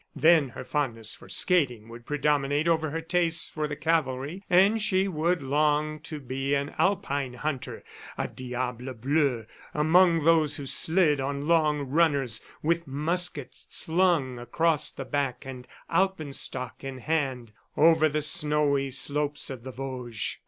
Then her fondness for skating would predominate over her tastes for the cavalry, and she would long to be an Alpine hunter, a diable bleu among those who slid on long runners, with musket slung across the back and alpenstock in hand, over the snowy slopes of the Vosges.